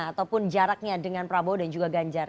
ataupun jaraknya dengan prabowo dan juga ganjar